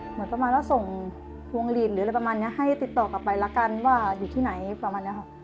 เหมือนประมาณว่าส่งพวงหลีดหรืออะไรประมาณนี้ให้ติดต่อกลับไปละกันว่าอยู่ที่ไหนประมาณนี้ค่ะ